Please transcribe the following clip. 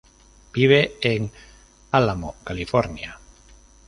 Vive en Álamo, California.